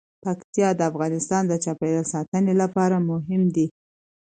پکتیا د افغانستان د چاپیریال ساتنې لپاره مهم دي.